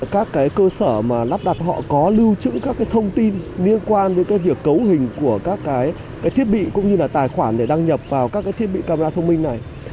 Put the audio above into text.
các cái cơ sở mà lắp đặt họ có lưu trữ các thông tin liên quan đến việc cấu hình của các thiết bị cũng như là tài khoản để đăng nhập vào các thiết bị camera thông minh này